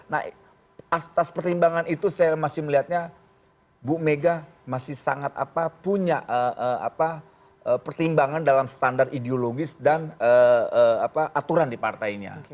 nah atas pertimbangan itu saya masih melihatnya bu mega masih sangat punya pertimbangan dalam standar ideologis dan aturan di partainya